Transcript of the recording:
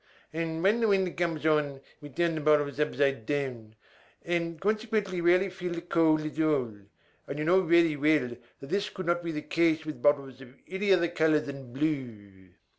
And, when the winter comes on, we turn the bottles upside down, and consequently rarely feel the cold at all; and you know very well that this could not be the case with bottles of any other color than blue."